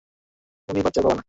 উনি বাচ্চার বাবা না।